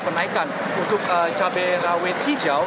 kenaikan untuk cabai rawit hijau